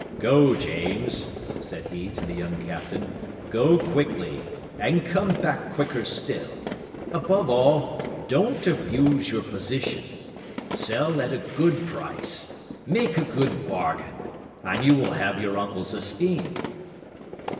"Go, James," said he to the young Captain, "go quickly, and come back quicker still; above all, don't abuse your position. Sell at a good price, make a good bargain, and you will have your uncle's esteem."